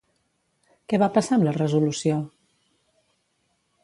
Què va passar amb la resolució?